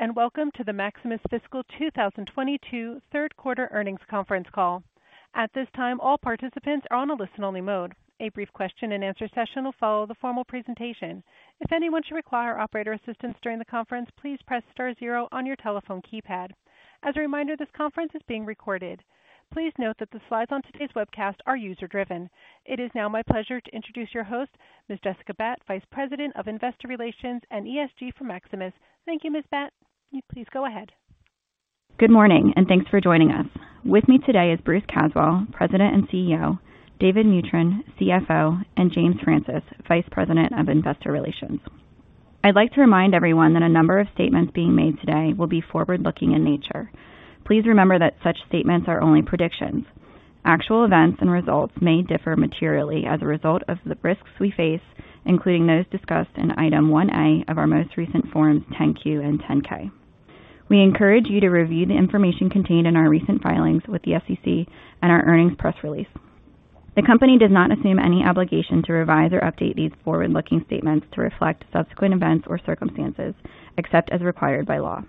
Greetings, and welcome to the Maximus Fiscal 2022 third quarter earnings conference call. At this time, all participants are on a listen-only mode. A brief question-and-answer session will follow the formal presentation. If anyone should require operator assistance during the conference, please press star zero on your telephone keypad. As a reminder, this conference is being recorded. Please note that the slides on today's webcast are user-driven. It is now my pleasure to introduce your host, Ms. Jessica Batt, Vice President of Investor Relations and ESG for Maximus. Thank you, Ms. Batt. You may please go ahead. Good morning, and thanks for joining us. With me today is Bruce Caswell, President and CEO, David Mutryn, CFO, and James Francis, Vice President of Investor Relations. I'd like to remind everyone that a number of statements being made today will be forward-looking in nature. Please remember that such statements are only predictions. Actual events and results may differ materially as a result of the risks we face, including those discussed in Item 1A of our most recent Form 10-Q and Form 10-K. We encourage you to review the information contained in our recent filings with the SEC and our earnings press release. The company does not assume any obligation to revise or update these forward-looking statements to reflect subsequent events or circumstances, except as required by law.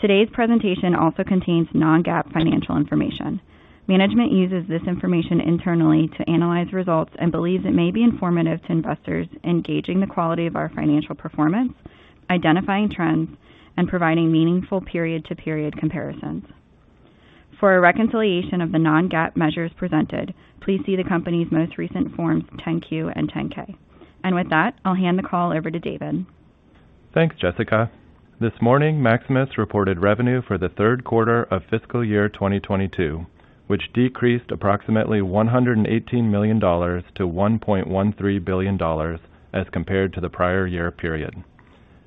Today's presentation also contains non-GAAP financial information. Management uses this information internally to analyze results and believes it may be informative to investors in gauging the quality of our financial performance, identifying trends, and providing meaningful period-to-period comparisons. For a reconciliation of the non-GAAP measures presented, please see the company's most recent Forms 10-Q and Form 10-K. With that, I'll hand the call over to David. Thanks, Jessica. This morning, Maximus reported revenue for the third quarter of fiscal year 2022, which decreased approximately $118 million to $1.13 billion as compared to the prior year period.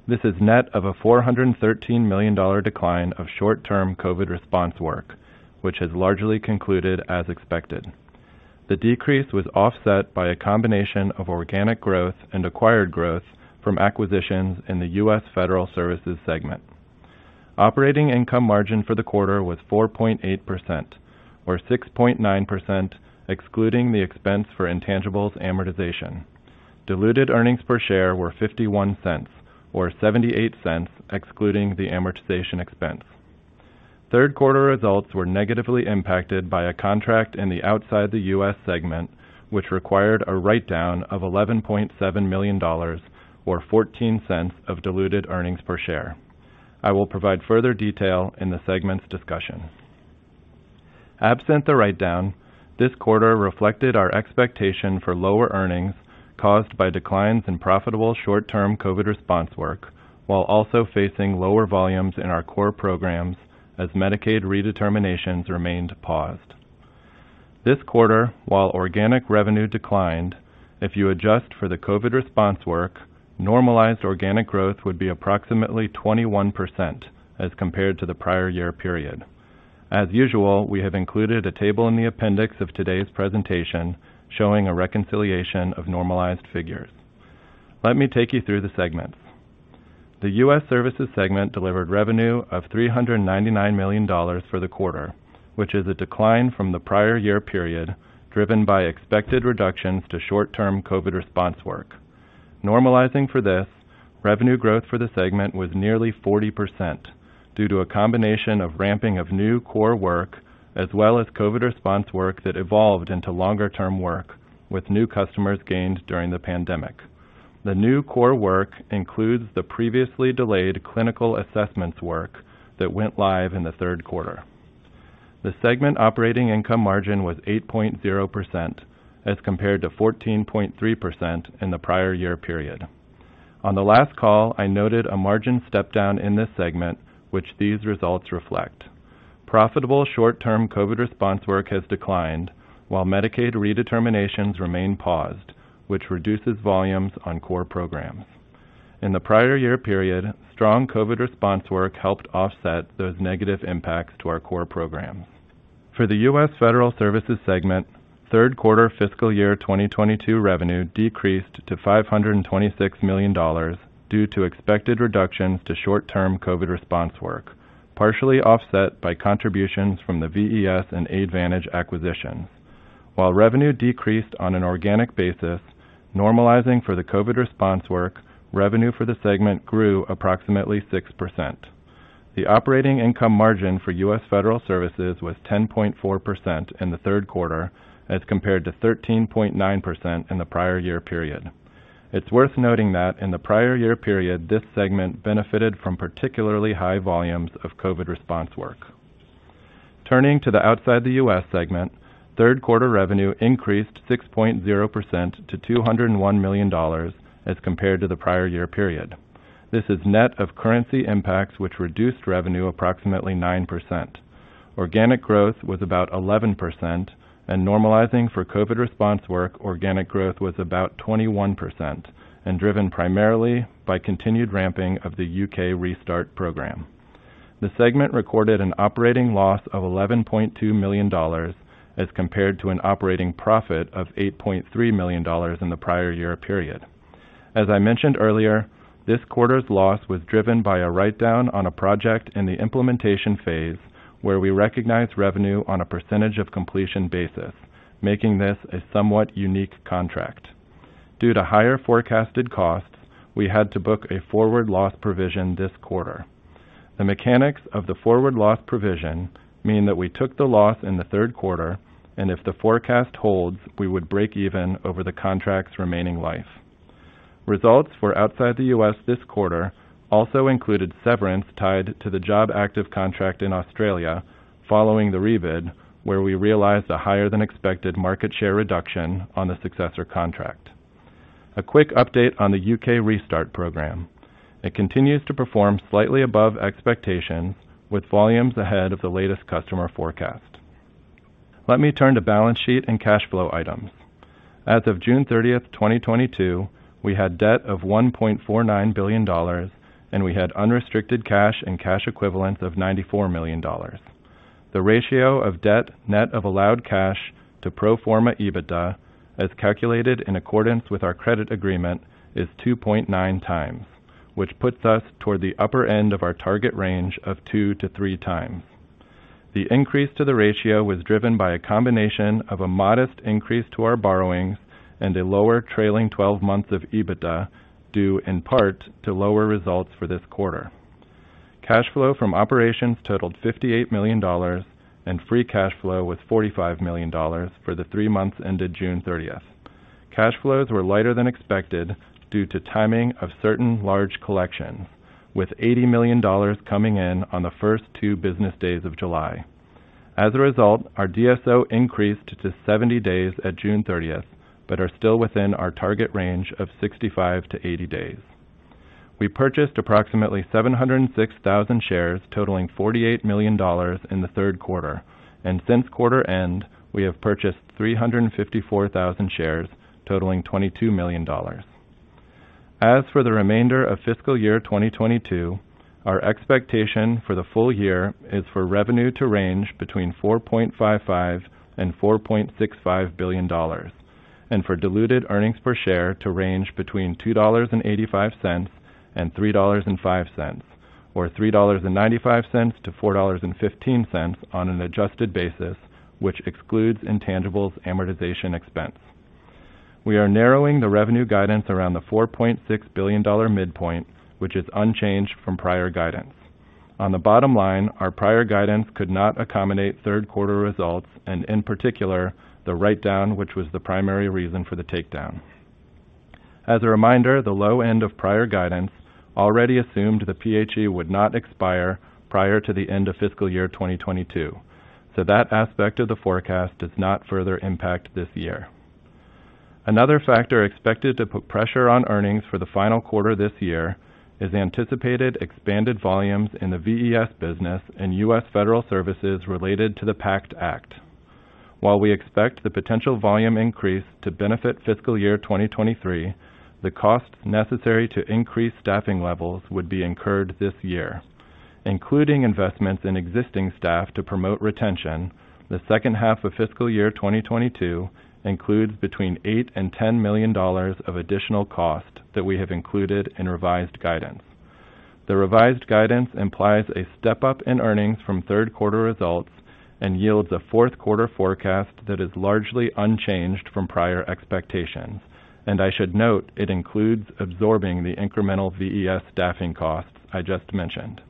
This is net of a $413 million decline of short-term COVID response work, which has largely concluded as expected. The decrease was offset by a combination of organic growth and acquired growth from acquisitions in the U.S. Federal Services segment. Operating income margin for the quarter was 4.8%, or 6.9% excluding the expense for intangibles amortization. Diluted earnings per share were $0.51 or $0.78 excluding the amortization expense. Third quarter results were negatively impacted by a contract in the Outside the U.S. segment, which required a write-down of $11.7 million or $0.14 of diluted earnings per share. I will provide further detail in the segments discussion. Absent the write-down, this quarter reflected our expectation for lower earnings caused by declines in profitable short-term COVID response work, while also facing lower volumes in our core programs as Medicaid redeterminations remained paused. This quarter, while organic revenue declined, if you adjust for the COVID response work, normalized organic growth would be approximately 21% as compared to the prior year period. As usual, we have included a table in the appendix of today's presentation showing a reconciliation of normalized figures. Let me take you through the segments. The U.S. Services segment delivered revenue of $399 million for the quarter, which is a decline from the prior year period, driven by expected reductions to short-term COVID response work. Normalizing for this, revenue growth for the segment was nearly 40% due to a combination of ramping of new core work as well as COVID response work that evolved into longer-term work with new customers gained during the pandemic. The new core work includes the previously delayed clinical assessments work that went live in the third quarter. The segment operating income margin was 8.0% as compared to 14.3% in the prior year period. On the last call, I noted a margin step down in this segment, which these results reflect. Profitable short-term COVID response work has declined while Medicaid redeterminations remain paused, which reduces volumes on core programs. In the prior year period, strong COVID response work helped offset those negative impacts to our core programs. For the U.S. Federal Services segment, third quarter fiscal year 2022 revenue decreased to $526 million due to expected reductions to short-term COVID response work, partially offset by contributions from the VES and Aidvantage acquisitions. While revenue decreased on an organic basis, normalizing for the COVID response work, revenue for the segment grew approximately 6%. The operating income margin for U.S. Federal Services was 10.4% in the third quarter as compared to 13.9% in the prior year period. It's worth noting that in the prior year period, this segment benefited from particularly high volumes of COVID response work. Turning to the Outside the U.S. segment, third quarter revenue increased 6.0% to $201 million as compared to the prior year period. This is net of currency impacts, which reduced revenue approximately 9%. Organic growth was about 11% and, normalizing for COVID response work, organic growth was about 21% and driven primarily by continued ramping of the UK Restart program. The segment recorded an operating loss of $11.2 million as compared to an operating profit of $8.3 million in the prior year period. As I mentioned earlier, this quarter's loss was driven by a write-down on a project in the implementation phase where we recognized revenue on a percentage of completion basis, making this a somewhat unique contract. Due to higher forecasted costs, we had to book a forward loss provision this quarter. The mechanics of the forward loss provision mean that we took the loss in the third quarter, and if the forecast holds, we would break even over the contract's remaining life. Results for Outside the U.S. this quarter also included severance tied to the jobactive contract in Australia following the rebid, where we realized a higher than expected market share reduction on the successor contract. A quick update on the UK Restart Scheme. It continues to perform slightly above expectations, with volumes ahead of the latest customer forecast. Let me turn to balance sheet and cash flow items. As of June 30, 2022, we had debt of $1.49 billion, and we had unrestricted cash and cash equivalents of $94 million. The ratio of debt net of allowed cash to pro forma EBITDA, as calculated in accordance with our credit agreement, is 2.9x, which puts us toward the upper end of our target range of 2x-3x. The increase to the ratio was driven by a combination of a modest increase to our borrowings and a lower trailing twelve months of EBITDA, due in part to lower results for this quarter. Cash flow from operations totaled $58 million, and free cash flow was $45 million for the three months ended June 30th. Cash flows were lighter than expected due to timing of certain large collections, with $80 million coming in on the first two business days of July. As a result, our DSO increased to 70 days at June 30th, but are still within our target range of 65-80 days. We purchased approximately 706,000 shares totaling $48 million in the third quarter, and since quarter end we have purchased 354,000 shares totaling $22 million. As for the remainder of fiscal year 2022, our expectation for the full year is for revenue to range between $4.55 billion and $4.65 billion, and for diluted earnings per share to range between $2.85 and $3.05, or $3.95-$4.15 on an adjusted basis, which excludes intangibles amortization expense. We are narrowing the revenue guidance around the $4.6 billion midpoint, which is unchanged from prior guidance. On the bottom line, our prior guidance could not accommodate third quarter results and in particular, the write down, which was the primary reason for the takedown. As a reminder, the low end of prior guidance already assumed the PHE would not expire prior to the end of fiscal year 2022. That aspect of the forecast does not further impact this year. Another factor expected to put pressure on earnings for the final quarter this year is anticipated expanded volumes in the VES business and U.S. Federal Services related to the PACT Act. While we expect the potential volume increase to benefit fiscal year 2023, the costs necessary to increase staffing levels would be incurred this year, including investments in existing staff to promote retention. The second half of fiscal year 2022 includes between $8 million and $10 million of additional cost that we have included in revised guidance. The revised guidance implies a step up in earnings from third quarter results, and yields a fourth quarter forecast that is largely unchanged from prior expectations. I should note, it includes absorbing the incremental VES staffing costs I just mentioned.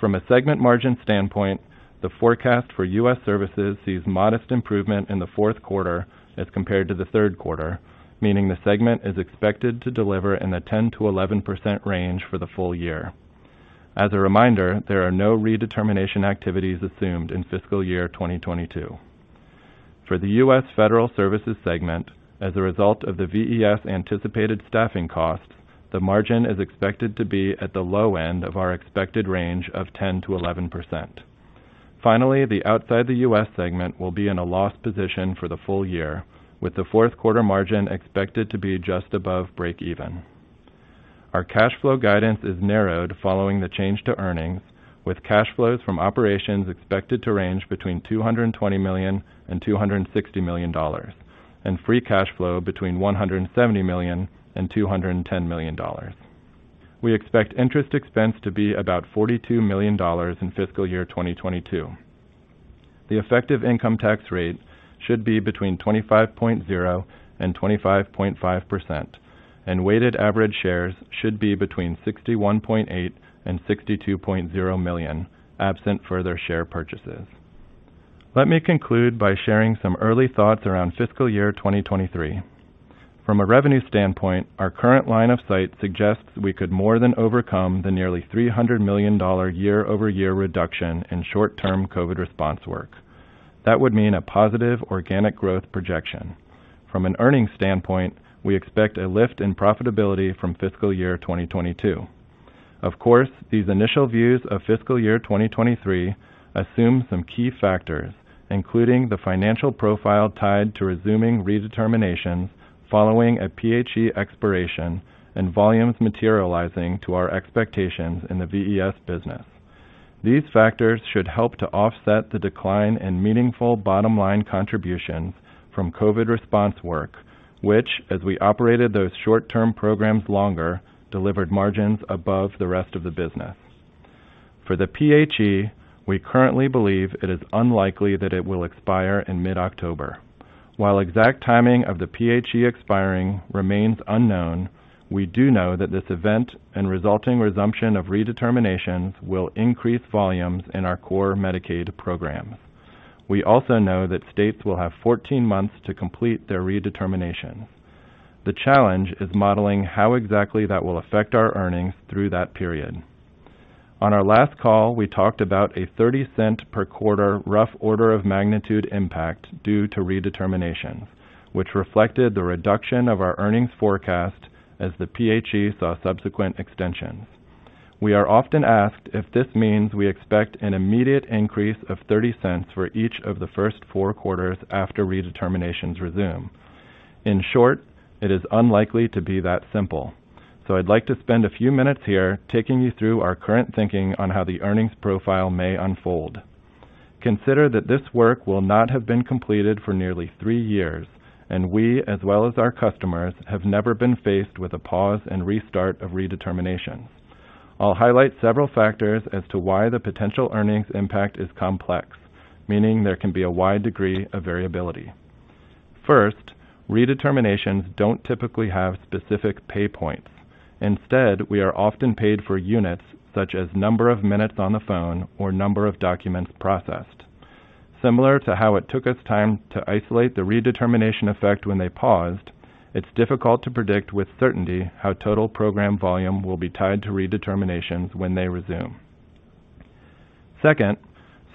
From a segment margin standpoint, the forecast for U.S. Services sees modest improvement in the fourth quarter as compared to the third quarter, meaning the segment is expected to deliver in the 10%-11% range for the full year. As a reminder, there are no redetermination activities assumed in fiscal year 2022. For the U.S. Federal Services segment, as a result of the VES anticipated staffing costs, the margin is expected to be at the low end of our expected range of 10%-11%. The outside the U.S. segment will be in a loss position for the full year, with the fourth quarter margin expected to be just above break even. Our cash flow guidance is narrowed following the change to earnings, with cash flows from operations expected to range between $220 million and $260 million, and free cash flow between $170 million and $210 million. We expect interest expense to be about $42 million in fiscal year 2022. The effective income tax rate should be between 25.0% and 25.5%, and weighted average shares should be between 61.8 million and 62.0 million, absent further share purchases. Let me conclude by sharing some early thoughts around fiscal year 2023. From a revenue standpoint, our current line of sight suggests we could more than overcome the nearly $300 million year-over-year reduction in short term COVID response work. That would mean a positive organic growth projection. From an earnings standpoint, we expect a lift in profitability from fiscal year 2022. Of course, these initial views of fiscal year 2023 assume some key factors, including the financial profile tied to resuming redeterminations following a PHE expiration and volumes materializing to our expectations in the VES business. These factors should help to offset the decline in meaningful bottom line contributions from COVID response work, which, as we operated those short-term programs longer, delivered margins above the rest of the business. For the PHE, we currently believe it is unlikely that it will expire in mid-October. While exact timing of the PHE expiring remains unknown, we do know that this event and resulting resumption of redeterminations will increase volumes in our core Medicaid program. We also know that states will have 14 months to complete their redetermination. The challenge is modeling how exactly that will affect our earnings through that period. On our last call, we talked about a $0.30 per quarter rough order of magnitude impact due to redeterminations, which reflected the reduction of our earnings forecast as the PHE saw subsequent extensions. We are often asked if this means we expect an immediate increase of $0.30 for each of the first four quarters after redeterminations resume. In short, it is unlikely to be that simple. I'd like to spend a few minutes here taking you through our current thinking on how the earnings profile may unfold. Consider that this work will not have been completed for nearly three years, and we, as well as our customers, have never been faced with a pause and restart of redetermination. I'll highlight several factors as to why the potential earnings impact is complex, meaning there can be a wide degree of variability. First, redeterminations don't typically have specific pay points. Instead, we are often paid for units such as number of minutes on the phone or number of documents processed. Similar to how it took us time to isolate the redetermination effect when they paused, it's difficult to predict with certainty how total program volume will be tied to redeterminations when they resume. Second,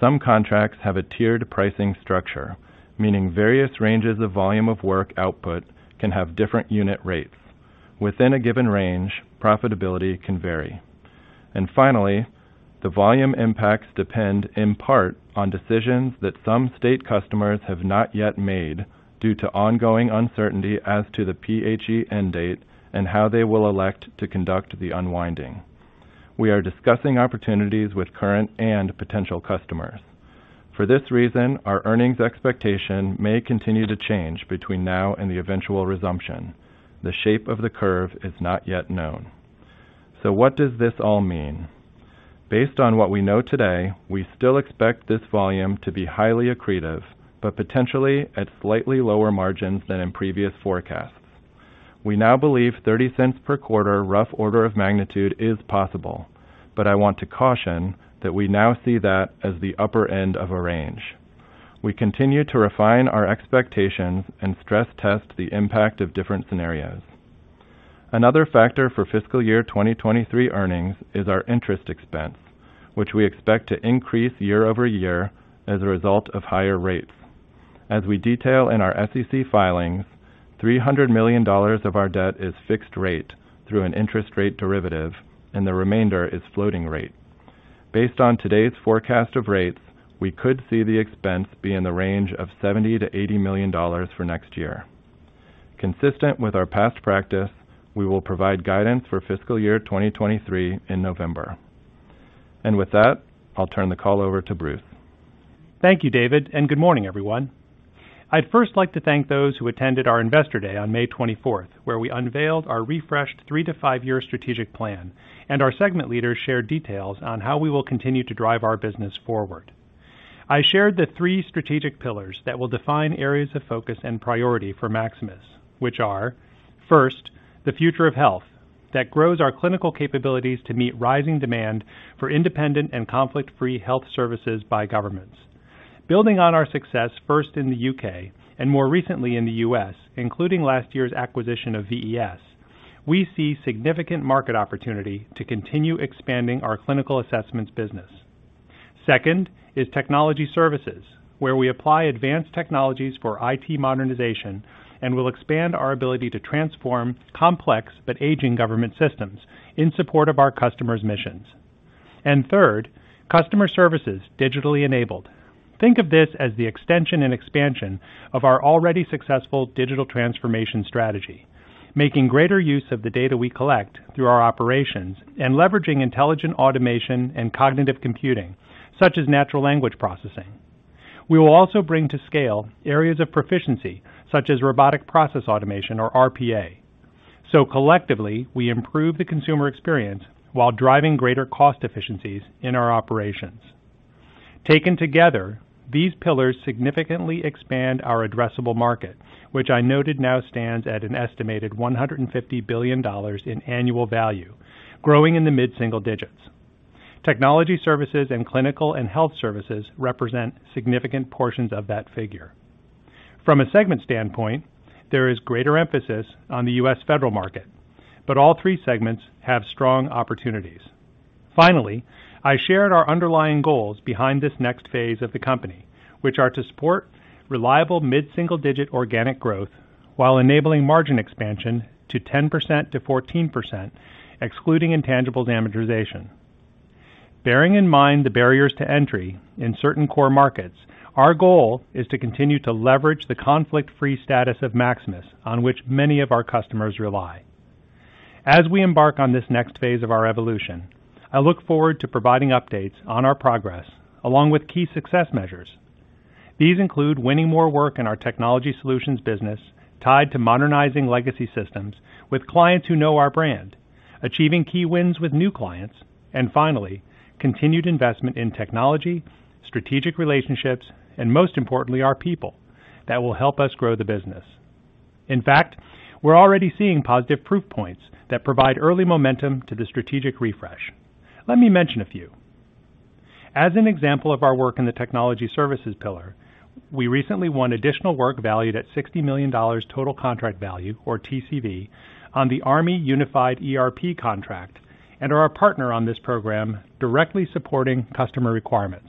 some contracts have a tiered pricing structure, meaning various ranges of volume of work output can have different unit rates. Within a given range, profitability can vary. Finally, the volume impacts depend in part on decisions that some state customers have not yet made due to ongoing uncertainty as to the PHE end date and how they will elect to conduct the unwinding. We are discussing opportunities with current and potential customers. For this reason, our earnings expectation may continue to change between now and the eventual resumption. The shape of the curve is not yet known. What does this all mean? Based on what we know today, we still expect this volume to be highly accretive, but potentially at slightly lower margins than in previous forecasts. We now believe $0.30 per quarter rough order of magnitude is possible, but I want to caution that we now see that as the upper end of a range. We continue to refine our expectations and stress test the impact of different scenarios. Another factor for fiscal year 2023 earnings is our interest expense, which we expect to increase year-over-year as a result of higher rates. As we detail in our SEC filings, $300 million of our debt is fixed rate through an interest rate derivative, and the remainder is floating rate. Based on today's forecast of rates, we could see the expense be in the range of $70 million-$80 million for next year. Consistent with our past practice, we will provide guidance for fiscal year 2023 in November. With that, I'll turn the call over to Bruce. Thank you, David, and good morning, everyone. I'd first like to thank those who attended our Investor Day on May 24th, where we unveiled our refreshed three to five year strategic plan, and our segment leaders shared details on how we will continue to drive our business forward. I shared the three strategic pillars that will define areas of focus and priority for Maximus, which are, first, the future of health that grows our clinical capabilities to meet rising demand for independent and conflict-free health services by governments. Building on our success first in the U.K. and more recently in the U.S., including last year's acquisition of VES, we see significant market opportunity to continue expanding our clinical assessments business. Second is technology services, where we apply advanced technologies for IT modernization and will expand our ability to transform complex but aging government systems in support of our customers' missions. Third, customer services, digitally enabled. Think of this as the extension and expansion of our already successful digital transformation strategy, making greater use of the data we collect through our operations and leveraging intelligent automation and cognitive computing, such as natural language processing. We will also bring to scale areas of proficiency such as robotic process automation or RPA. Collectively, we improve the consumer experience while driving greater cost efficiencies in our operations. Taken together, these pillars significantly expand our addressable market, which I noted now stands at an estimated $150 billion in annual value, growing in the mid-single digits. Technology services and clinical and health services represent significant portions of that figure. From a segment standpoint, there is greater emphasis on the U.S. federal market, but all three segments have strong opportunities. Finally, I shared our underlying goals behind this next phase of the company, which are to support reliable mid-single-digit organic growth while enabling margin expansion to 10%-14%, excluding intangible amortization. Bearing in mind the barriers to entry in certain core markets, our goal is to continue to leverage the conflict-free status of Maximus on which many of our customers rely. As we embark on this next phase of our evolution, I look forward to providing updates on our progress along with key success measures. These include winning more work in our technology solutions business tied to modernizing legacy systems with clients who know our brand, achieving key wins with new clients, and finally, continued investment in technology, strategic relationships, and most importantly, our people that will help us grow the business. In fact, we're already seeing positive proof points that provide early momentum to the strategic refresh. Let me mention a few. As an example of our work in the technology services pillar, we recently won additional work valued at $60 million total contract value, or TCV, on the Army Unified ERP contract, and are a partner on this program directly supporting customer requirements.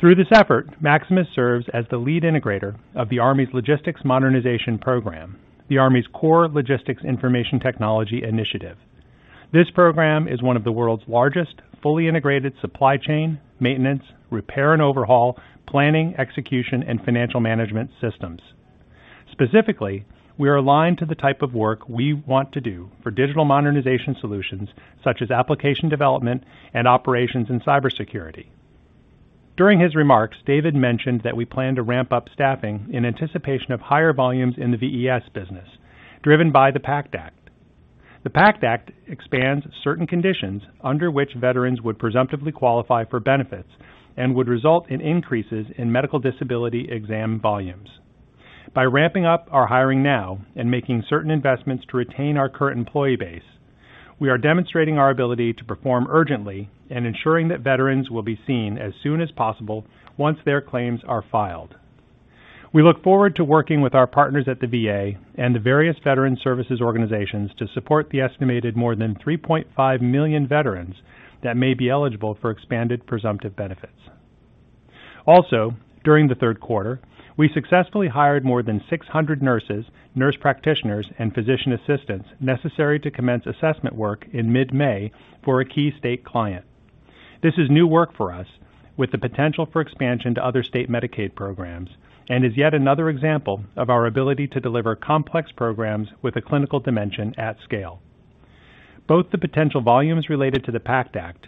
Through this effort, Maximus serves as the lead integrator of the Army's Logistics Modernization Program, the Army's core logistics information technology initiative. This program is one of the world's largest fully integrated supply chain, maintenance, repair and overhaul, planning, execution, and financial management systems. Specifically, we are aligned to the type of work we want to do for digital modernization solutions such as application development and operations in cybersecurity. During his remarks, David mentioned that we plan to ramp up staffing in anticipation of higher volumes in the VES business driven by the PACT Act. The PACT Act expands certain conditions under which veterans would presumptively qualify for benefits and would result in increases in medical disability exam volumes. By ramping up our hiring now and making certain investments to retain our current employee base, we are demonstrating our ability to perform urgently and ensuring that veterans will be seen as soon as possible once their claims are filed. We look forward to working with our partners at the VA and the various veteran services organizations to support the estimated more than 3.5 million veterans that may be eligible for expanded presumptive benefits. Also, during the third quarter, we successfully hired more than 600 nurses, nurse practitioners, and physician assistants necessary to commence assessment work in mid-May for a key state client. This is new work for us with the potential for expansion to other state Medicaid programs, and is yet another example of our ability to deliver complex programs with a clinical dimension at scale. Both the potential volumes related to the PACT Act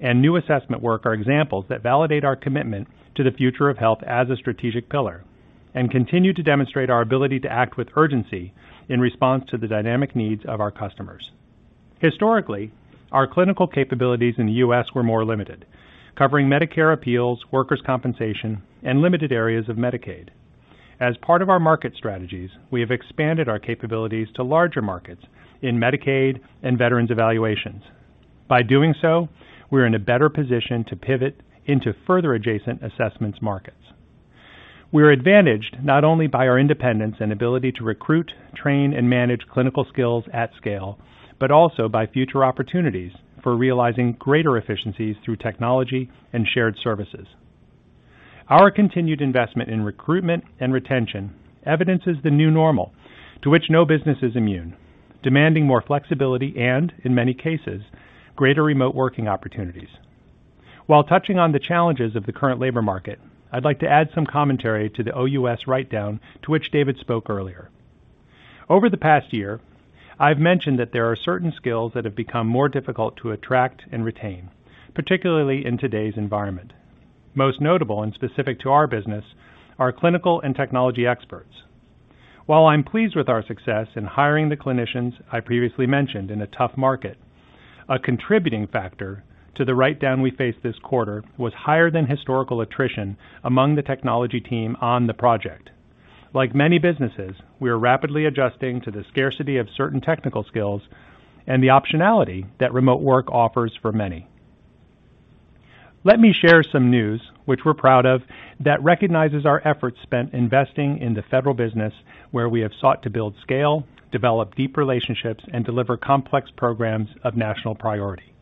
and new assessment work are examples that validate our commitment to the future of health as a strategic pillar and continue to demonstrate our ability to act with urgency in response to the dynamic needs of our customers. Historically, our clinical capabilities in the U.S. were more limited, covering Medicare appeals, workers' compensation, and limited areas of Medicaid. As part of our market strategies, we have expanded our capabilities to larger markets in Medicaid and veterans evaluations. By doing so, we're in a better position to pivot into further adjacent assessments markets. We're advantaged not only by our independence and ability to recruit, train, and manage clinical skills at scale, but also by future opportunities for realizing greater efficiencies through technology and shared services. Our continued investment in recruitment and retention evidences the new normal to which no business is immune, demanding more flexibility and, in many cases, greater remote working opportunities. While touching on the challenges of the current labor market, I'd like to add some commentary to the OUS write-down to which David spoke earlier. Over the past year, I've mentioned that there are certain skills that have become more difficult to attract and retain, particularly in today's environment. Most notable and specific to our business are clinical and technology experts. While I'm pleased with our success in hiring the clinicians I previously mentioned in a tough market, a contributing factor to the write-down we faced this quarter was higher than historical attrition among the technology team on the project. Like many businesses, we are rapidly adjusting to the scarcity of certain technical skills and the optionality that remote work offers for many. Let me share some news, which we're proud of, that recognizes our efforts spent investing in the federal business where we have sought to build scale, develop deep relationships, and deliver complex programs of national priority.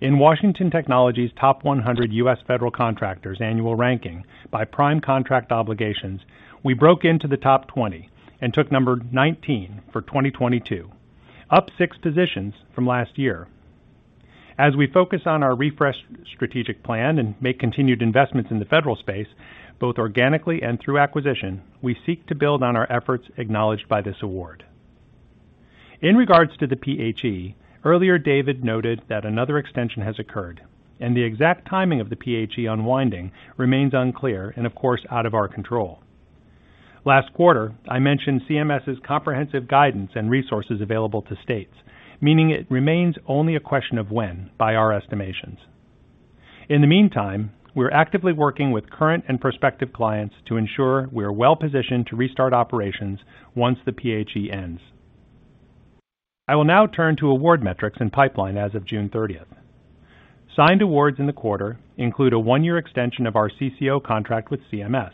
In Washington Technology's Top 100 U.S. Federal Contractors annual ranking by prime contract obligations, we broke into the top 20 and took number 19 for 2022, up six positions from last year. As we focus on our refreshed strategic plan and make continued investments in the federal space, both organically and through acquisition, we seek to build on our efforts acknowledged by this award. In regards to the PHE, earlier David noted that another extension has occurred, and the exact timing of the PHE unwinding remains unclear and of course, out of our control. Last quarter, I mentioned CMS's comprehensive guidance and resources available to states, meaning it remains only a question of when by our estimations. In the meantime, we're actively working with current and prospective clients to ensure we are well-positioned to restart operations once the PHE ends. I will now turn to award metrics and pipeline as of June thirtieth. Signed awards in the quarter include a one-year extension of our CCO contract with CMS.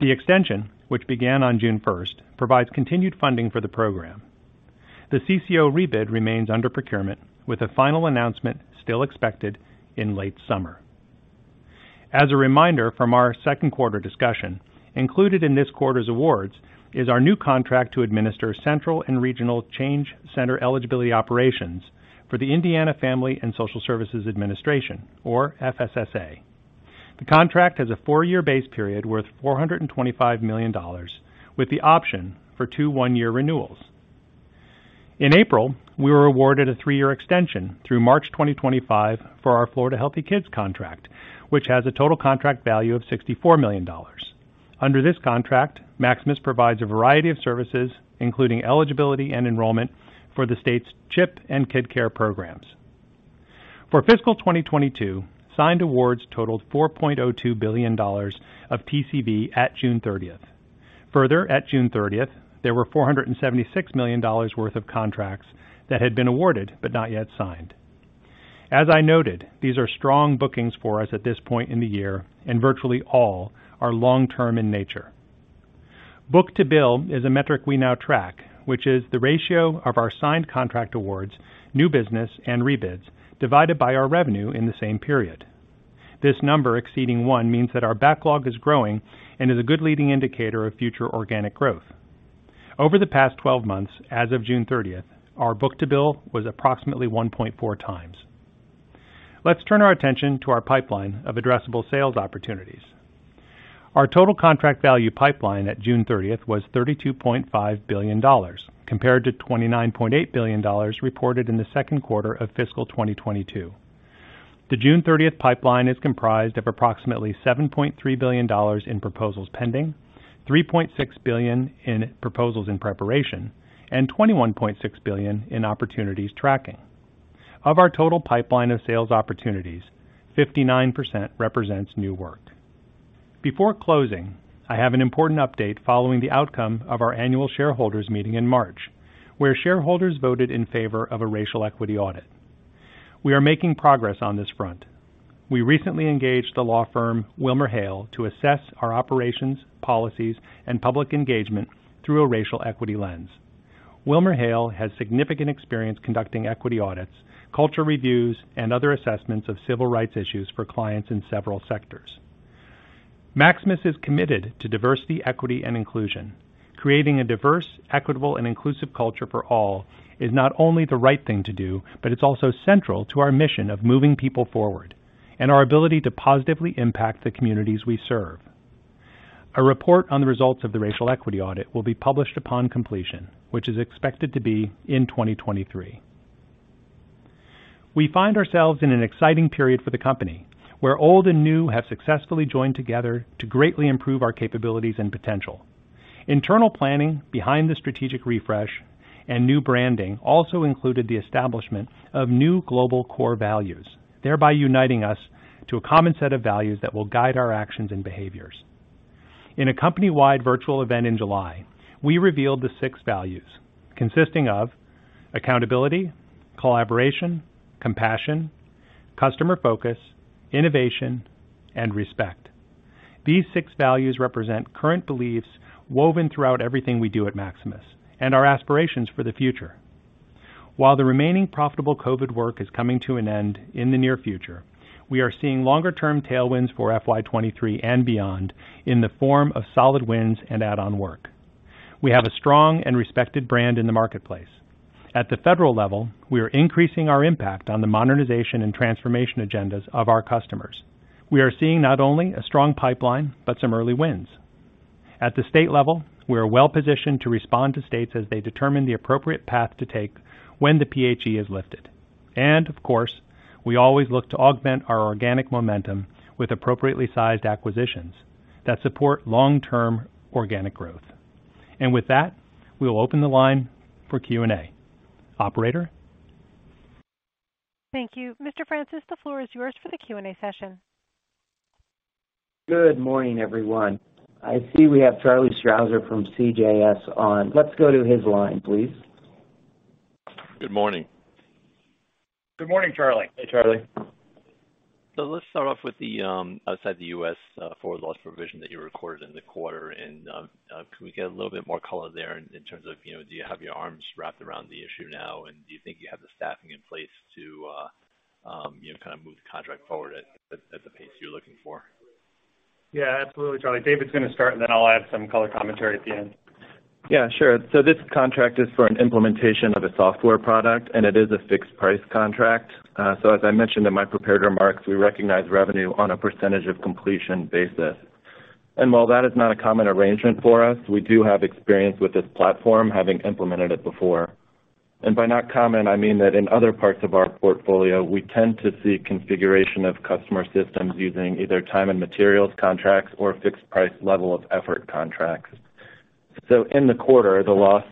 The extension, which began on June first, provides continued funding for the program. The CCO rebid remains under procurement, with a final announcement still expected in late summer. As a reminder from our second quarter discussion, included in this quarter's awards is our new contract to administer central and regional change center eligibility operations for the Indiana Family and Social Services Administration, or FSSA. The contract has a four-year base period worth $425 million with the option for two one-year renewals. In April, we were awarded a three-year extension through March 2025 for our Florida Healthy Kids contract, which has a total contract value of $64 million. Under this contract, Maximus provides a variety of services, including eligibility and enrollment for the state's CHIP and KidCare programs. For fiscal 2022, signed awards totaled $4.02 billion of TCV at June 30th. Further, at June 30th, there were $476 million worth of contracts that had been awarded but not yet signed. As I noted, these are strong bookings for us at this point in the year, and virtually all are long-term in nature. Book-to-bill is a metric we now track, which is the ratio of our signed contract awards, new business, and rebids divided by our revenue in the same period. This number exceeding one means that our backlog is growing and is a good leading indicator of future organic growth. Over the past 12 months, as of June 30th, our book-to-bill was approximately 1.4x. Let's turn our attention to our pipeline of addressable sales opportunities. Our total contract value pipeline at June 30th was $32.5 billion, compared to $29.8 billion reported in the second quarter of fiscal 2022. The June 30th pipeline is comprised of approximately $7.3 billion in proposals pending, $3.6 billion in proposals in preparation, and $21.6 billion in opportunities tracking. Of our total pipeline of sales opportunities, 59% represents new work. Before closing, I have an important update following the outcome of our annual shareholders meeting in March, where shareholders voted in favor of a racial equity audit. We are making progress on this front. We recently engaged the law firm WilmerHale to assess our operations, policies, and public engagement through a racial equity lens. WilmerHale has significant experience conducting equity audits, culture reviews, and other assessments of civil rights issues for clients in several sectors. Maximus is committed to diversity, equity, and inclusion. Creating a diverse, equitable, and inclusive culture for all is not only the right thing to do, but it's also central to our mission of moving people forward and our ability to positively impact the communities we serve. A report on the results of the racial equity audit will be published upon completion, which is expected to be in 2023. We find ourselves in an exciting period for the company, where old and new have successfully joined together to greatly improve our capabilities and potential. Internal planning behind the strategic refresh and new branding also included the establishment of new global core values, thereby uniting us to a common set of values that will guide our actions and behaviors. In a company-wide virtual event in July, we revealed the six values consisting of accountability, collaboration, compassion, customer focus, innovation, and respect. These six values represent current beliefs woven throughout everything we do at Maximus and our aspirations for the future. While the remaining profitable COVID work is coming to an end in the near future, we are seeing longer-term tailwinds for FY 2023 and beyond in the form of solid wins and add-on work. We have a strong and respected brand in the marketplace. At the federal level, we are increasing our impact on the modernization and transformation agendas of our customers. We are seeing not only a strong pipeline, but some early wins. At the state level, we are well-positioned to respond to states as they determine the appropriate path to take when the PHE is lifted. Of course, we always look to augment our organic momentum with appropriately sized acquisitions that support long-term organic growth. With that, we will open the line for Q&A. Operator? Thank you. Mr. Francis, the floor is yours for the Q&A session. Good morning, everyone. I see we have Charlie Strauzer from CJS on. Let's go to his line, please. Good morning. Good morning, Charlie. Hey, Charlie. Let's start off with the Outside the U.S. forward loss provision that you recorded in the quarter. Can we get a little bit more color there in terms of, you know, do you have your arms wrapped around the issue now, and do you think you have the staffing in place to, you know, kind of move the contract forward at the pace you're looking for? Yeah, absolutely, Charlie. David's gonna start, and then I'll add some color commentary at the end. Yeah, sure. This contract is for an implementation of a software product, and it is a fixed price contract. As I mentioned in my prepared remarks, we recognize revenue on a percentage of completion basis. While that is not a common arrangement for us, we do have experience with this platform, having implemented it before. By not common, I mean that in other parts of our portfolio, we tend to see configuration of customer systems using either time and materials contracts or fixed price level of effort contracts. In the quarter, the loss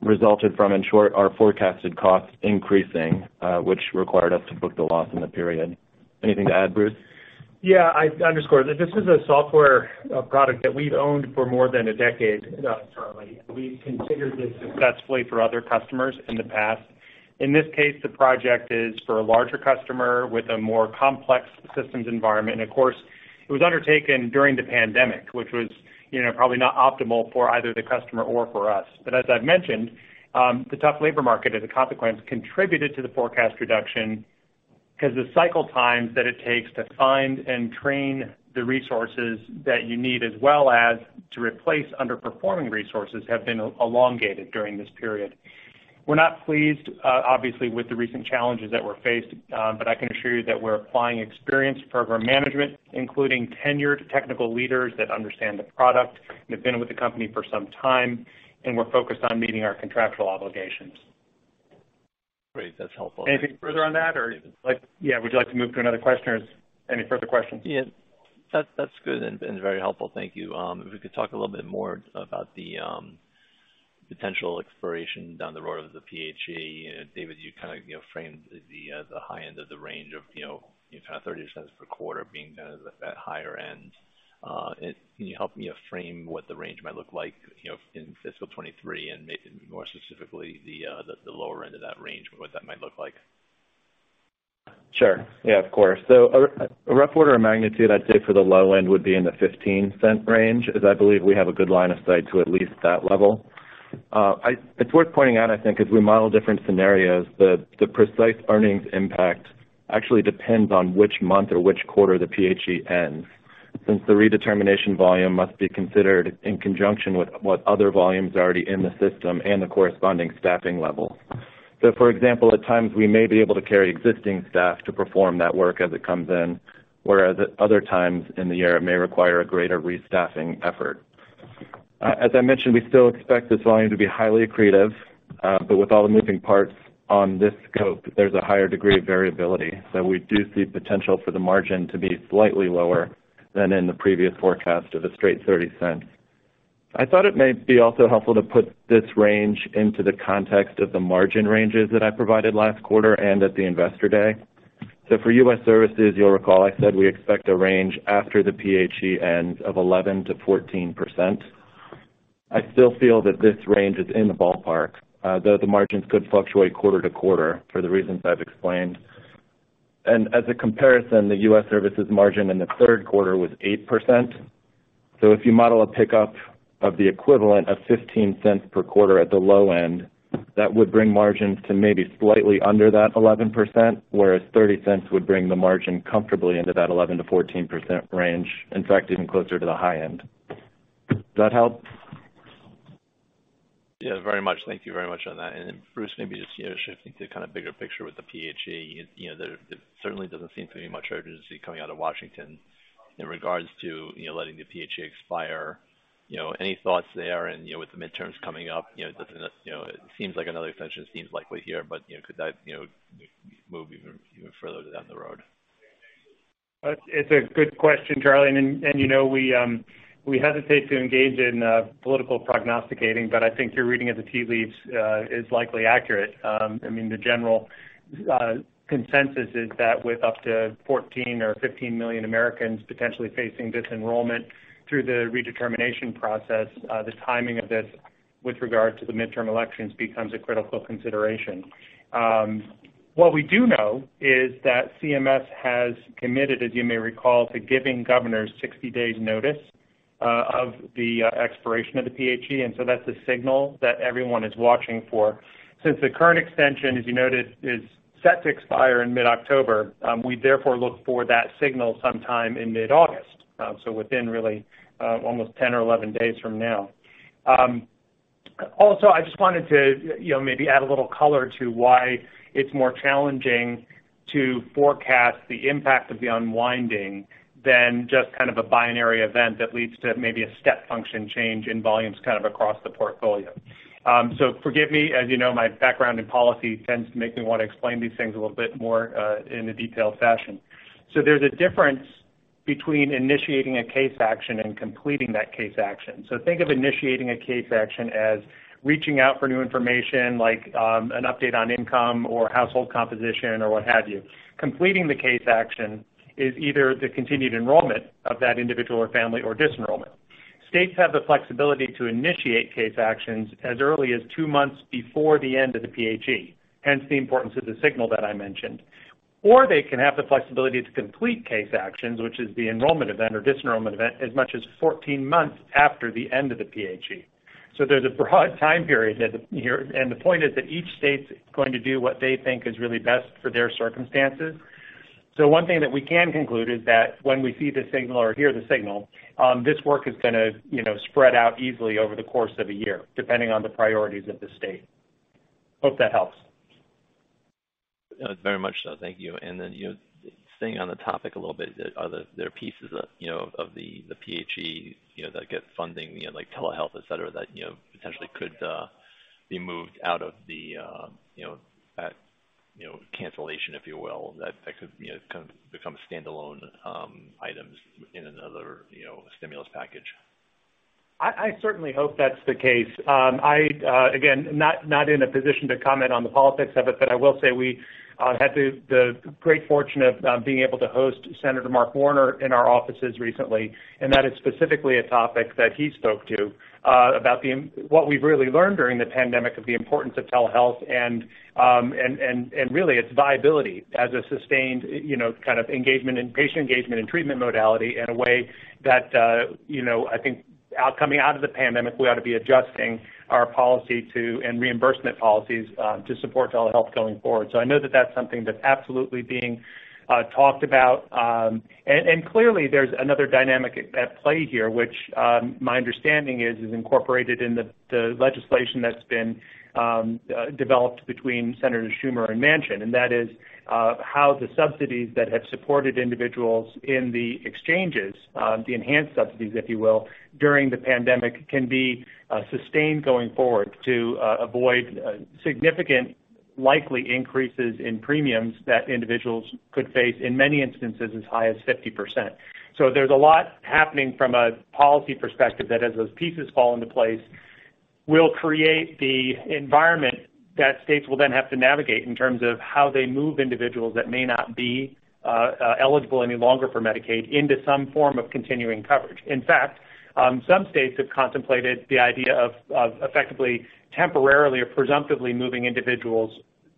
resulted from, in short, our forecasted costs increasing, which required us to book the loss in the period. Anything to add, Bruce? Yeah, I'd underscore that this is a software product that we've owned for more than a decade, Charlie. We've configured this successfully for other customers in the past. In this case, the project is for a larger customer with a more complex systems environment. Of course, it was undertaken during the pandemic, which was, you know, probably not optimal for either the customer or for us. As I've mentioned, the tough labor market as a consequence contributed to the forecast reduction 'cause the cycle times that it takes to find and train the resources that you need, as well as to replace underperforming resources, have been elongated during this period. We're not pleased, obviously, with the recent challenges that we're faced, but I can assure you that we're applying experienced program management, including tenured technical leaders that understand the product and have been with the company for some time, and we're focused on meeting our contractual obligations. Great. That's helpful. Anything further on that, or would you like to move to another question or is any further questions? Yeah, that's good and very helpful. Thank you. If we could talk a little bit more about the potential exploration down the road of the PHE. David, you kinda framed the high end of the range of you kind $0.30 per quarter being kind of at that higher end. Can you help me frame what the range might look like, you know, in fiscal 2023 and maybe more specifically the lower end of that range, what that might look like? Sure. Yeah, of course. A rough order of magnitude, I'd say for the low end would be in the $0.15 range, as I believe we have a good line of sight to at least that level. It's worth pointing out, I think as we model different scenarios, the precise earnings impact actually depends on which month or which quarter the PHE ends, since the redetermination volume must be considered in conjunction with what other volumes are already in the system and the corresponding staffing level. For example, at times we may be able to carry existing staff to perform that work as it comes in, whereas at other times in the year, it may require a greater restaffing effort. As I mentioned, we still expect this volume to be highly accretive, but with all the moving parts on this scope, there's a higher degree of variability. We do see potential for the margin to be slightly lower than in the previous forecast of a straight $0.30. I thought it may be also helpful to put this range into the context of the margin ranges that I provided last quarter and at the investor day. For U.S. Services, you'll recall, I said we expect a range after the PHE ends of 11%-14%. I still feel that this range is in the ballpark, though the margins could fluctuate quarter to quarter for the reasons I've explained. As a comparison, the U.S. Services margin in the third quarter was 8%. If you model a pickup of the equivalent of $0.15 per quarter at the low end, that would bring margins to maybe slightly under that 11%, whereas $0.30 would bring the margin comfortably into that 11%-14% range. In fact, even closer to the high end. Does that help? Yeah, very much. Thank you very much on that. Bruce, maybe just, you know, shifting to kind of bigger picture with the PHE, you know, there certainly doesn't seem to be much urgency coming out of Washington in regards to, you know, letting the PHE expire. You know, any thoughts there and, you know, with the midterms coming up, you know, does it not, you know, it seems like another extension seems likely here, but, you know, could that, you know, move even further down the road? It's a good question, Charlie. You know, we hesitate to engage in political prognosticating, but I think your reading of the tea leaves is likely accurate. I mean, the general consensus is that with up to 14 or 15 million Americans potentially facing disenrollment through the redetermination process, the timing of this with regard to the midterm elections becomes a critical consideration. What we do know is that CMS has committed, as you may recall, to giving governors 60 days notice of the expiration of the PHE. That's a signal that everyone is watching for. Since the current extension, as you noted, is set to expire in mid-October, we therefore look for that signal sometime in mid-August. Within really almost 10 or 11 days from now. Also, I just wanted to, you know, maybe add a little color to why it's more challenging to forecast the impact of the unwinding than just kind of a binary event that leads to maybe a step function change in volumes kind of across the portfolio. Forgive me, as you know, my background in policy tends to make me wanna explain these things a little bit more, in a detailed fashion. There's a difference between initiating a case action and completing that case action. Think of initiating a case action as reaching out for new information like, an update on income or household composition or what have you. Completing the case action is either the continued enrollment of that individual or family or disenrollment. States have the flexibility to initiate case actions as early as two months before the end of the PHE, hence the importance of the signal that I mentioned. They can have the flexibility to complete case actions, which is the enrollment event or disenrollment event, as much as 14 months after the end of the PHE. There's a broad time period, and the point is that each state's going to do what they think is really best for their circumstances. One thing that we can conclude is that when we see the signal or hear the signal, this work is gonna, you know, spread out easily over the course of a year, depending on the priorities of the state. Hope that helps. It's very much so. Thank you. You know, staying on the topic a little bit, there are pieces of, you know, the PHE, you know, that get funding, you know, like telehealth, et cetera, that, you know, potentially could be moved out of the, you know, at, you know, cancellation, if you will, that could become standalone items in another, you know, stimulus package? I certainly hope that's the case. I again not in a position to comment on the politics of it, but I will say we had the great fortune of being able to host Senator Mark Warner in our offices recently, and that is specifically a topic that he spoke to about what we've really learned during the pandemic of the importance of telehealth and really its viability as a sustained, you know, kind of engagement in patient engagement and treatment modality in a way that, you know, I think coming out of the pandemic, we ought to be adjusting our policy to, and reimbursement policies to support telehealth going forward. I know that that's something that's absolutely being talked about. Clearly there's another dynamic at play here, which my understanding is incorporated in the legislation that's been developed between Senators Schumer and Manchin, and that is how the subsidies that have supported individuals in the exchanges, the enhanced subsidies, if you will, during the pandemic, can be sustained going forward to avoid significant, likely increases in premiums that individuals could face, in many instances, as high as 50%. There's a lot happening from a policy perspective that as those pieces fall into place, will create the environment that states will then have to navigate in terms of how they move individuals that may not be eligible any longer for Medicaid into some form of continuing coverage. In fact, some states have contemplated the idea of effectively temporarily or presumptively moving individuals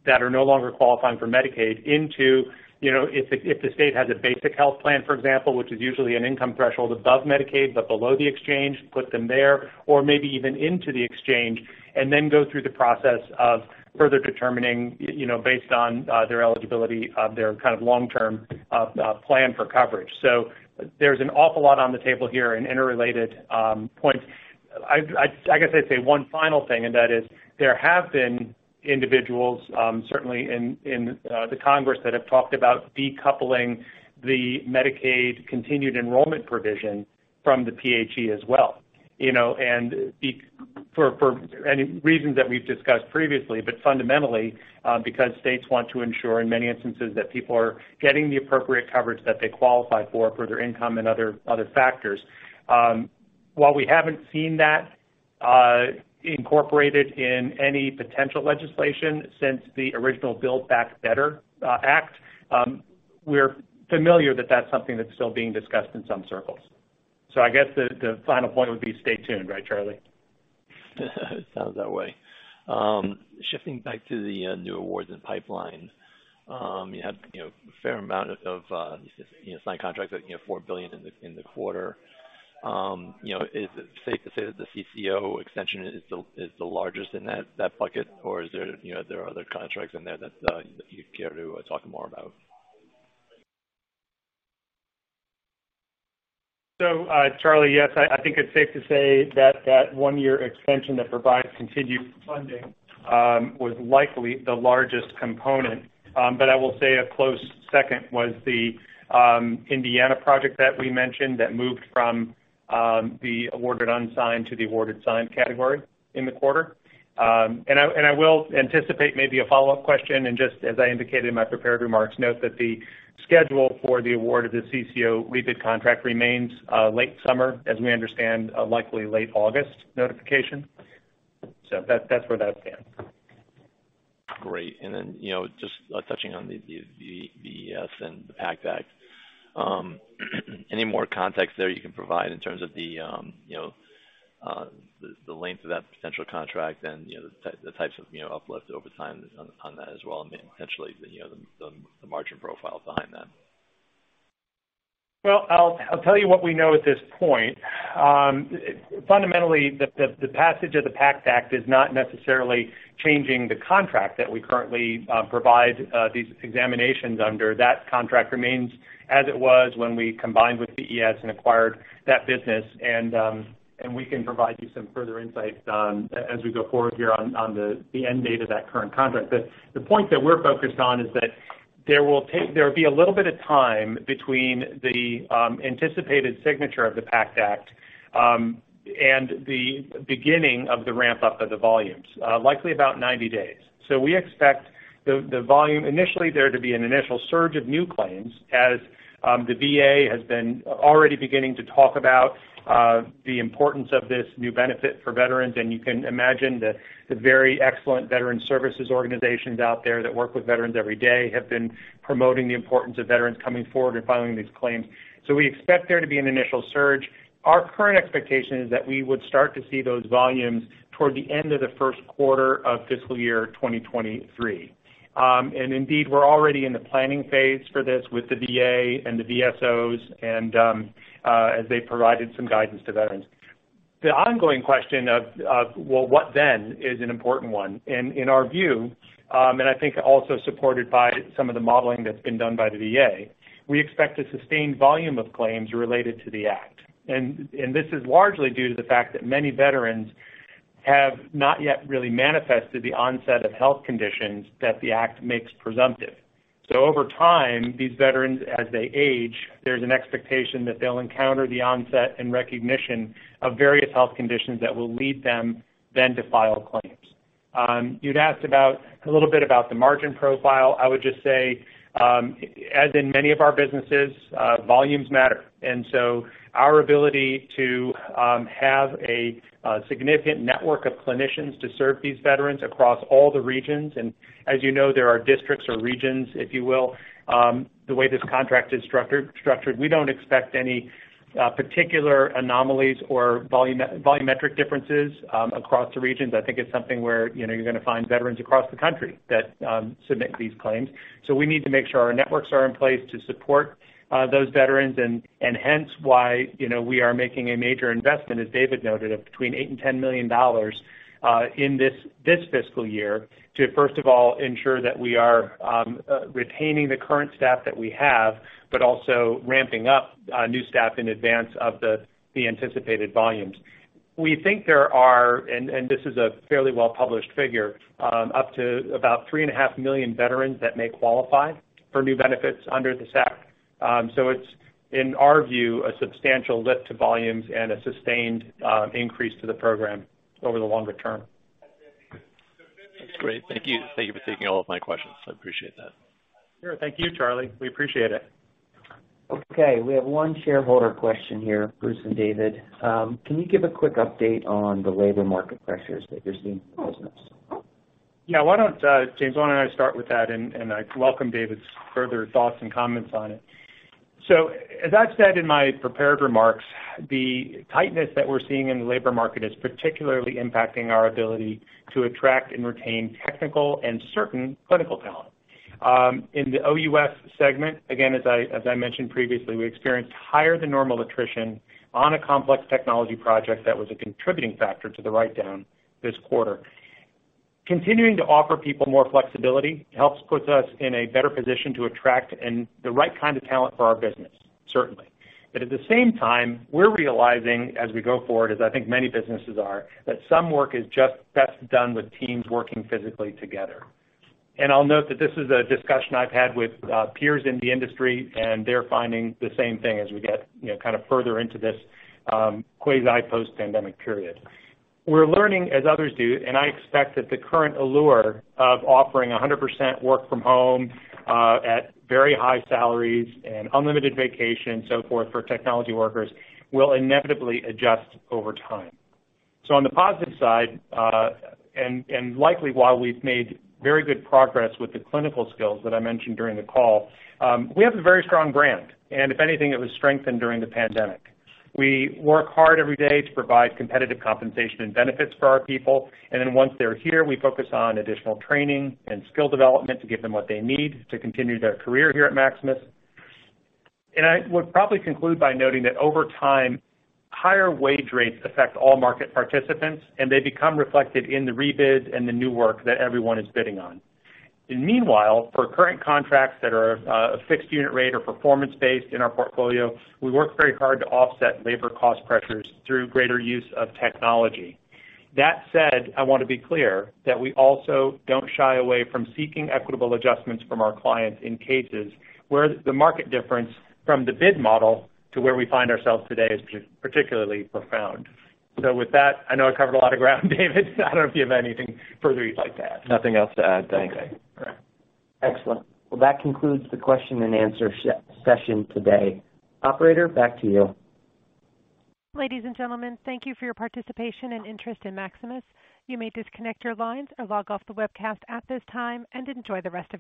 that are no longer qualifying for Medicaid into, you know, if the state has a basic health plan, for example, which is usually an income threshold above Medicaid, but below the exchange, put them there, or maybe even into the exchange, and then go through the process of further determining, you know, based on their eligibility of their kind of long-term plan for coverage. There's an awful lot on the table here and interrelated points. I'd say one final thing, and that is there have been individuals, certainly in Congress that have talked about decoupling the Medicaid continued enrollment provision from the PHE as well, you know, and for any reasons that we've discussed previously, but fundamentally, because states want to ensure in many instances that people are getting the appropriate coverage that they qualify for, per their income and other factors. While we haven't seen that, incorporated in any potential legislation since the original Build Back Better Act, we're familiar that that's something that's still being discussed in some circles. I guess the final point would be stay tuned. Right, Charlie? It sounds that way. Shifting back to the new awards and pipeline. You had, you know, a fair amount of you signed contracts at, you know, $4 billion in the quarter. You know, is it safe to say that the CCO extension is the largest in that bucket? Or is there, you know, there are other contracts in there that you'd care to talk more about? Charlie, yes, I think it's safe to say that one-year extension that provides continued funding was likely the largest component. I will say a close second was the Indiana project that we mentioned that moved from the awarded unsigned to the awarded signed category in the quarter. I will anticipate maybe a follow-up question. Just as I indicated in my prepared remarks, note that the schedule for the award of the CCO rebid contract remains late summer as we understand, likely late August notification. That's where that stands. Great. You know, just touching on the VES and the PACT Act. Any more context there you can provide in terms of the length of that potential contract and, you know, the types of, you know, uplift over time on that as well, and potentially, you know, the margin profile behind that? Well, I'll tell you what we know at this point. Fundamentally, the passage of the PACT Act is not necessarily changing the contract that we currently provide these examinations under. That contract remains as it was when we combined with VES and acquired that business. We can provide you some further insights on as we go forward here on the end date of that current contract. The point that we're focused on is that there'll be a little bit of time between the anticipated signature of the PACT Act and the beginning of the ramp-up of the volumes, likely about 90 days. We expect the volume initially there to be an initial surge of new claims as the VA has been already beginning to talk about the importance of this new benefit for veterans. You can imagine the very excellent Veterans Service Organizations out there that work with veterans every day have been promoting the importance of veterans coming forward and filing these claims. We expect there to be an initial surge. Our current expectation is that we would start to see those volumes toward the end of the first quarter of fiscal year 2023. Indeed, we're already in the planning phase for this with the VA and the VSOs as they provided some guidance to veterans. The ongoing question of what then is an important one. In our view, I think also supported by some of the modeling that's been done by the VA, we expect a sustained volume of claims related to the act. This is largely due to the fact that many veterans have not yet really manifested the onset of health conditions that the act makes presumptive. Over time, these veterans, as they age, there's an expectation that they'll encounter the onset and recognition of various health conditions that will lead them then to file claims. You'd asked about a little bit about the margin profile. I would just say, as in many of our businesses, volumes matter. Our ability to have a significant network of clinicians to serve these veterans across all the regions, and as you know, there are districts or regions, if you will, the way this contract is structured, we don't expect any particular anomalies or volumetric differences across the regions. I think it's something where, you know, you're gonna find veterans across the country that submit these claims. We need to make sure our networks are in place to support those veterans and hence why, you know, we are making a major investment, as David noted, of between $8 million and $10 million in this fiscal year to, first of all, ensure that we are retaining the current staff that we have, but also ramping up new staff in advance of the anticipated volumes. We think there are, and this is a fairly well-published figure, up to about 3.5 million veterans that may qualify for new benefits under this act. It's, in our view, a substantial lift to volumes and a sustained increase to the program over the longer term. That's great. Thank you. Thank you for taking all of my questions. I appreciate that. Sure. Thank you, Charlie. We appreciate it. Okay. We have one shareholder question here. Bruce and David, can you give a quick update on the labor market pressures that you're seeing in the business? Yeah. James, why don't I start with that, and I welcome David's further thoughts and comments on it. As I've said in my prepared remarks, the tightness that we're seeing in the labor market is particularly impacting our ability to attract and retain technical and certain clinical talent. In the OUS segment, again, as I mentioned previously, we experienced higher than normal attrition on a complex technology project that was a contributing factor to the write-down this quarter. Continuing to offer people more flexibility helps put us in a better position to attract and retain the right kind of talent for our business, certainly. At the same time, we're realizing as we go forward, as I think many businesses are, that some work is just best done with teams working physically together. I'll note that this is a discussion I've had with peers in the industry, and they're finding the same thing as we get, you know, kind of further into this quasi post-pandemic period. We're learning as others do, and I expect that the current allure of offering 100% work from home at very high salaries and unlimited vacation, so forth, for technology workers will inevitably adjust over time. On the positive side, and likely while we've made very good progress with the clinical skills that I mentioned during the call, we have a very strong brand, and if anything, it was strengthened during the pandemic. We work hard every day to provide competitive compensation and benefits for our people, and then once they're here, we focus on additional training and skill development to give them what they need to continue their career here at Maximus. I would probably conclude by noting that over time, higher wage rates affect all market participants, and they become reflected in the rebid and the new work that everyone is bidding on. Meanwhile, for current contracts that are a fixed unit rate or performance-based in our portfolio, we work very hard to offset labor cost pressures through greater use of technology. That said, I want to be clear that we also don't shy away from seeking equitable adjustments from our clients in cases where the market difference from the bid model to where we find ourselves today is particularly profound. With that, I know I covered a lot of ground, David. I don't know if you have anything further you'd like to add. Nothing else to add. Thanks. Okay. All right. Excellent. Well, that concludes the question and answer session today. Operator, back to you. Ladies and gentlemen, thank you for your participation and interest in Maximus. You may disconnect your lines or log off the webcast at this time, and enjoy the rest of your day.